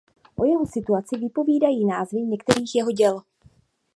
O jeho situaci vypovídají názvy některých jeho děl.